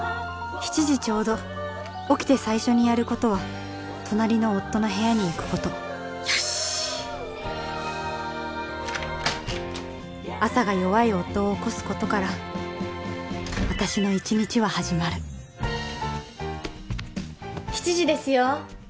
７時ちょうど起きて最初にやることは隣の夫の部屋に行くことよし朝が弱い夫を起こすことから私の一日は始まる７時ですよ